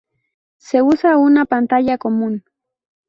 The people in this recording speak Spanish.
Se usa una pantalla común.